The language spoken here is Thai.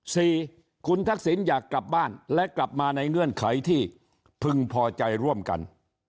สี่คุณทักษิณอยากกลับบ้านและกลับมาในเงื่อนไขที่พึงพอใจร่วมกัน